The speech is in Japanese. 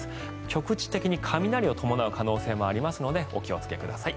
局地的に雷を伴う可能性もありますのでお気をつけください。